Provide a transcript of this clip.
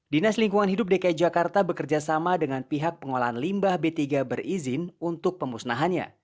dinas lingkungan hidup dki jakarta bekerjasama dengan pihak pengolahan limbah b tiga berizin untuk pemusnahannya